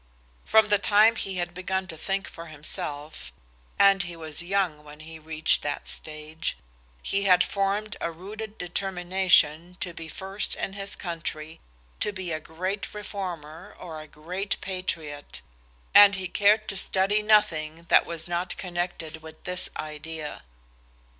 From the time he had begun to think for himself and he was young when he reached that stage he had formed a rooted determination to be first in his country, to be a great reformer or a great patriot, and he cared to study nothing that was not connected with this idea.